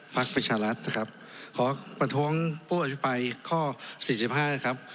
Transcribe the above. ท่านประธานครับ